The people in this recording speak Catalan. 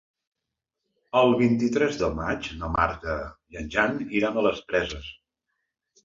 El vint-i-tres de maig na Marta i en Jan iran a les Preses.